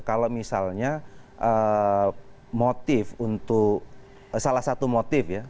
kalau misalnya motif untuk salah satu motif ya